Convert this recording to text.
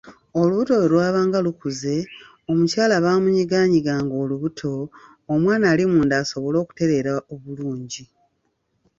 Olubuto bwe lwabanga lukuze, omukyala baamunyigaanyiganga olubuto omwana ali munda asobole okutereera obulungi.